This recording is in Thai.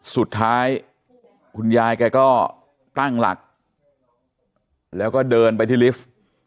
สุดท้ายคุณยายแกก็ตั้งหลักแล้วก็เดินไปที่ลิฟท์